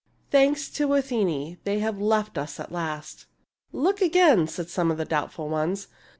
Thanks to Athene, they have left us at last." "Look again," said some of the doubtful ones.